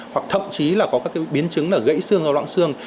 hoặc thậm chí là có các cái biến chứng là gãy xương hoặc loãng xương